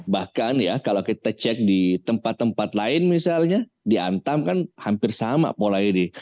bahkan ya kalau kita cek di tempat tempat lain misalnya di antam kan hampir sama pola ini